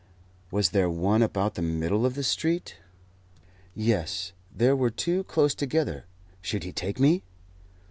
Was there one about the middle of the street? Yes, there were two close together. Should he take me?